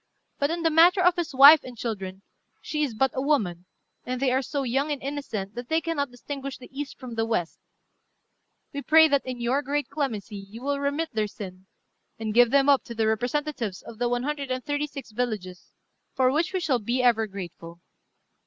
But in the matter of his wife and children, she is but a woman, and they are so young and innocent that they cannot distinguish the east from the west: we pray that in your great clemency you will remit their sin, and give them up to the representatives of the one hundred and thirty six villages, for which we shall be ever grateful.